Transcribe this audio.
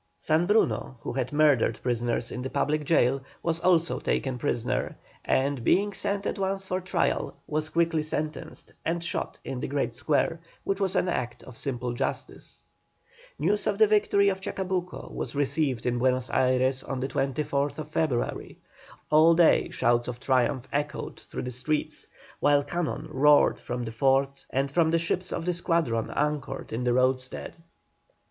San Bruno, who had murdered prisoners in the public jail, was also taken prisoner, and, being sent at once for trial, was quickly sentenced, and shot in the great square, which was an act of simple justice. News of the victory of Chacabuco was received in Buenos Ayres on the 24th February. All day shouts of triumph echoed through the streets, while cannon roared from the fort and from the ships of the squadron anchored in the roadstead.